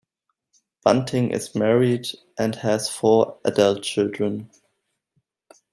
Bunting is married and has four adult children.